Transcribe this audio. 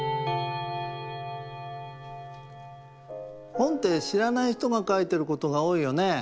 本ってしらないひとがかいてることがおおいよね。